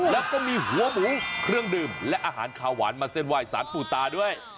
และก็มีหัวหมูเครื่องดื่มและอาหารคาวหวานมันเซ่นวายสาตก์ฝูตาด้วย